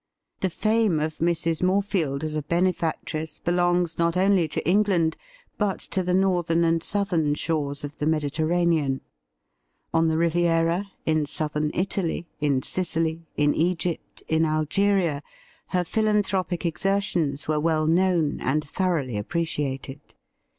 The fame of Mrs. Morefield as a benefactress belongs not only to England, but to the northern and southern shores of the Mediter ranean. On the Riviera, in Southern Italy, in Sicily, in Egypt, in Algeria, her philanthropic exertions were well known and thoroughly appreciated.